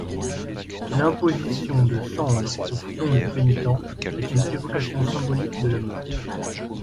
L'imposition de cendres au front du pénitent est une évocation symbolique de la mort.